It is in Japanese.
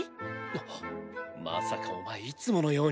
あっまさかお前いつものように。